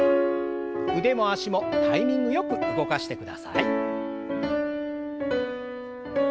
腕も脚もタイミングよく動かしてください。